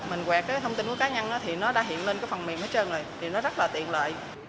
mình quẹt cái thông tin của cá nhân thì nó đã hiện lên cái phần mềm hết trơn rồi thì nó rất là tiện lệ